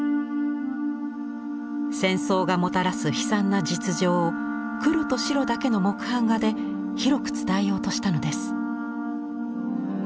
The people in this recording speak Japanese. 戦争がもたらす悲惨な実情を黒と白だけの木版画で広く伝えようとしたのです。